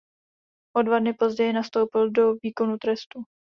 O dva dny později nastoupil do výkonu trestu.